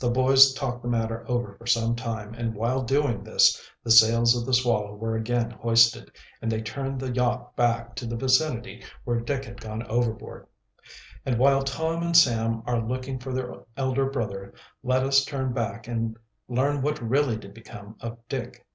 The boys talked the matter over for some time, and while doing this the sails of the Swallow were again hoisted, and they turned the yacht back to the vicinity where Dick had gone overboard. And while Tom and Sam are looking for their elder brother, let us turn back and learn what really did become of Dick.